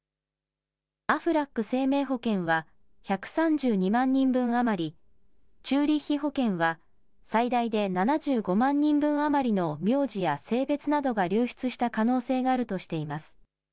アフラック生命保険は１３２万人分余り、チューリッヒ保険は最大で７５万人分余りの名字や性別などが流出した可能性があるとしています。